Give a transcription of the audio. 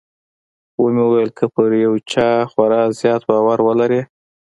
ومې ويل که پر يو چا خورا زيات باور ولرې.